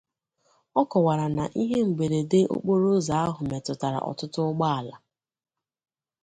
ọ kọwàrà na ihe mberede okporoụzọ ahụ metụtara ọtụtụ ụgbọala